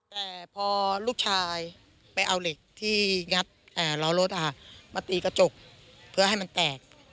แต่พอลูกชายไปเอาเหล็กที่งัดล้อรถมาตีกระจกเพื่อให้มันแตก